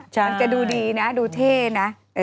มันจะดูดีนะดูเท่นะ